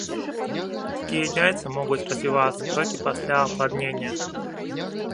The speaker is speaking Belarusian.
Такія яйцы могуць развівацца толькі пасля апладнення.